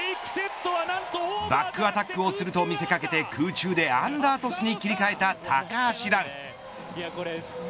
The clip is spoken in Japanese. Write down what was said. バックアタックをすると見せ掛けて空中でアンダートスに切り替えた高橋藍。